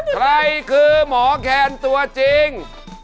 ใครคือหมอแคนตัวจริง